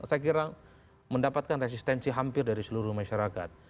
saya kira mendapatkan resistensi hampir dari seluruh masyarakat